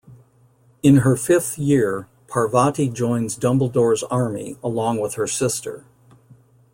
In her fifth year, Parvati joins Dumbledore's Army along with her sister.